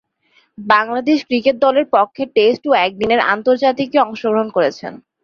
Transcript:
Bangladesh cricket দলের পক্ষে test ও একদিনের আন্তর্জাতিকে অংশগ্রহণ করেছেন।